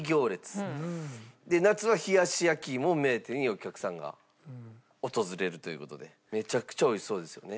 で夏は冷し焼芋を目当てにお客さんが訪れるという事でめちゃくちゃ美味しそうですよね。